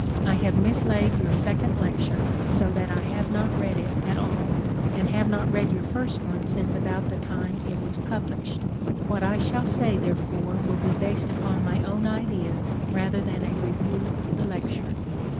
I have mislaid your second lecture, so that I have not read it at all, and have not read your first one since about the time it was published. What I shall say, therefore, will be based upon my own ideas rather than a review of the lecture.